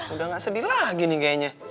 udah gak sedih lagi nih kayaknya